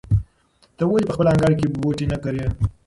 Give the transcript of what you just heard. ته ولې په خپل انګړ کې بوټي نه کرې؟